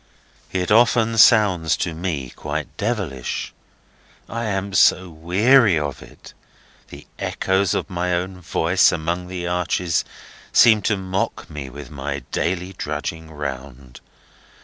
"It often sounds to me quite devilish. I am so weary of it. The echoes of my own voice among the arches seem to mock me with my daily drudging round.